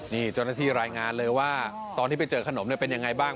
นี่จริงรายงานเลยว่าตอนที่ไปเจอขนมเป็นยังไงบ้าง